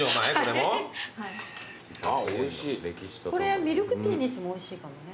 これミルクティーにしてもおいしいかもね。